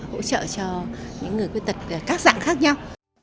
hỗ trợ cho những người khuyết tật các dạng khác nhau